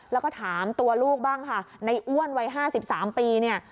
แล้วก็ถามตัวลูกบ้างค่ะในอ้วนวัย๕๓ปีเนี่ย